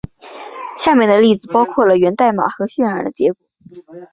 下面的例子包括了源代码和渲染结果。